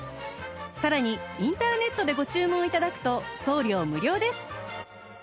さらにインターネットでご注文頂くと送料無料です